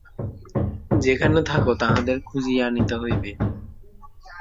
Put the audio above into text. যেখানে থাকে তাহাদের খুঁজিয়া আনিতে হইবে।